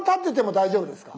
大丈夫です。